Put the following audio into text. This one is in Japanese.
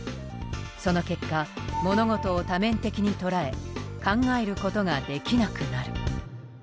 その結果物事を多面的に捉え考えることができなくなる。